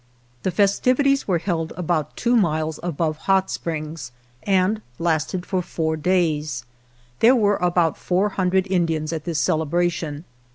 The festivities were held about two miles above Hot Springs, and lasted for four days. There were about four hundred In dians at this celebration.